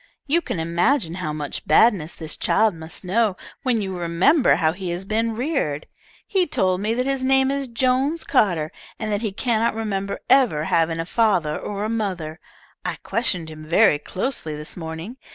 You can imagine how much badness this child must know when you remember how he has been reared. He told me that his name is Jones Carter, and that he cannot remember ever having a father or a mother. I questioned him very closely this morning.